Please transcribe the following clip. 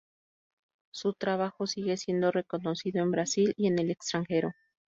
Su trabajo sigue siendo reconocido en Brasil y en el extranjero.